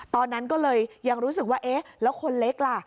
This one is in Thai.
ตอนนั้นก็เลยยังรู้สึกว่าเอ๊ะแล้วคนเล็กล่ะ